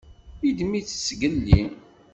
Yeddem-itt zgelli.